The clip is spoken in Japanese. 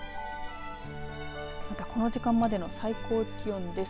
またこの時間までの最高気温です。